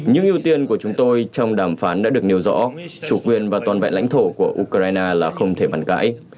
những ưu tiên của chúng tôi trong đàm phán đã được nêu rõ chủ quyền và toàn vẹn lãnh thổ của ukraine là không thể bàn cãi